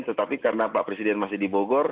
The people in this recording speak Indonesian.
tetapi karena pak presiden masih dibogor